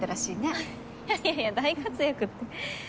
あっいやいや大活躍って。